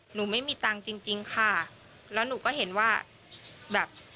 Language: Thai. หนูไม่มีตังค์จริงจริงค่ะแล้วหนูก็เห็นว่าแบบ